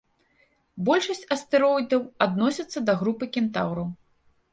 Большасць астэроідаў адносяцца да групы кентаўраў.